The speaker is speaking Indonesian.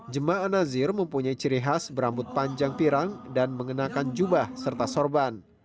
jemaah nazir mempunyai ciri khas berambut panjang pirang dan mengenakan jubah serta sorban